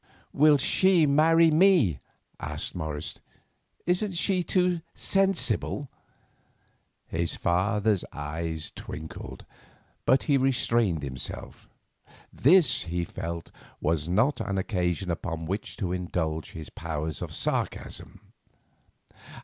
"Will she marry me?" asked Morris. "Isn't she too sensible?" His father's eye twinkled, but he restrained himself. This, he felt, was not an occasion upon which to indulge his powers of sarcasm.